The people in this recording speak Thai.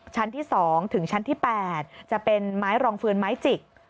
ชั้นที่๒ถึงชั้นที่๘จะเป็นไม้รองฟืนไม้จิก